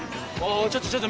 ちょっとちょっと。